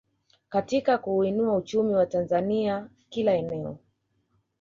Katika kuuinua uchumi wa Tanzania kila eneo